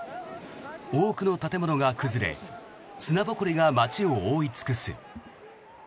多くの建物が崩れ砂ぼこりが街を覆い尽くす。